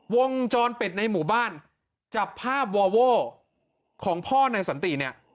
วงจรปิดในหมู่บ้านจับภาพวอโว้ของพ่อนายสันติเนี่ย